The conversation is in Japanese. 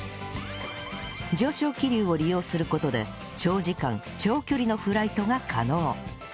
上昇気流を利用する事で長時間長距離のフライトが可能